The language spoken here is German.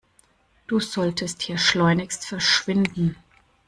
Du solltest hier schleunigst verschwinden.